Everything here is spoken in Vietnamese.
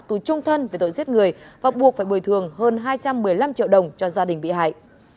tù trung thân về tội giết người và buộc phải bồi thường hơn hai trăm một mươi năm triệu đồng cho gia đình bị hại